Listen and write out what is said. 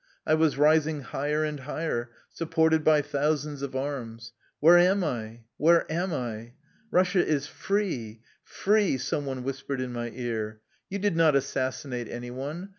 I was rising higher and higher, supported by thousands of arms. Where am I? Where am I? " Russia is free, free! " some one whispered in my ear. " You did not assassinate any one.